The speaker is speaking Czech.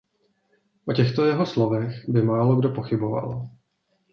O těchto jeho slovech by málokdo pochyboval.